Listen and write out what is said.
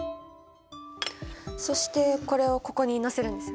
そしてこれをここに載せるんですよね？